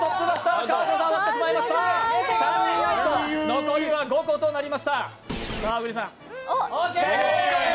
残りは５個となりました。